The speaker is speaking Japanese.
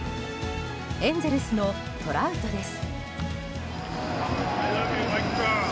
エンゼルスのトラウトです。